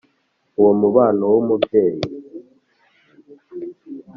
Uwo mubano w umubyeyi